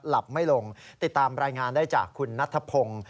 ไม่ลงติดตามรายงานได้จากคุณนัทธพงศ์